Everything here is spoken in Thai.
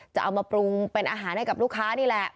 จะเอามาปรุงเป็นอาหารให้กับลูกค้านี่แหละ